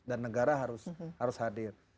dan negara harus hadir